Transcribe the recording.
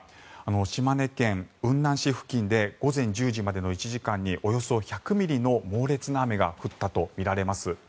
島根県雲南市付近で午前１０時までの１時間におよそ１００ミリの猛烈な雨が降ったとみられます。